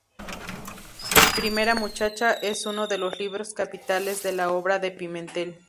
Primera muchacha es uno de los libros capitales de la obra de Pimentel.